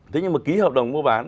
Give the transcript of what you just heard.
thế nhưng mà ký hợp đồng mua bán